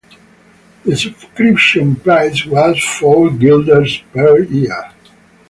The subscription price was four guilders per year.